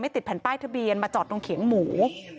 ติดแผ่นป้ายทะเบียนมาจอดตรงเขียงหมู